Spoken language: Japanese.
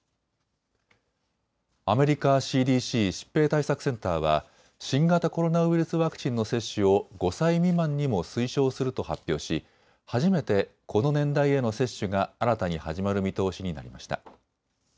アメリカＣＤＣ・疾病対策センターは新型コロナウイルスワクチンの接種を５歳未満にも推奨すると発表し初めてこの年代への接種が新たに始まる見通しになりました。